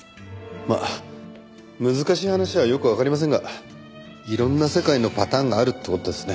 まあ難しい話はよくわかりませんがいろんな世界のパターンがあるって事ですね。